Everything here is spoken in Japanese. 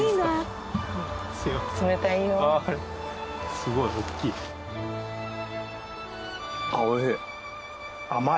すごい大きい。